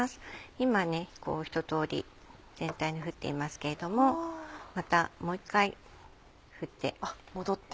今ひと通り全体に振っていますけれどもまたもう一回振って。